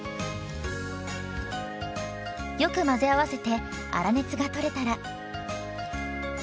よく混ぜ合わせて粗熱がとれたら。